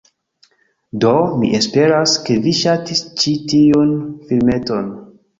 Do, mi esperas, ke vi ŝatis ĉi tiun filmeton